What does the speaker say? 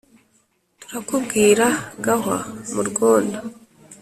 Turakubwira gahwa mu rwondo: